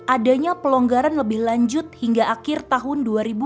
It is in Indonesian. adanya pelonggaran lebih lanjut hingga akhir tahun dua ribu dua puluh